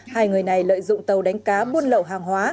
hai người này lợi dụng tàu đánh cá buôn lậu hàng hóa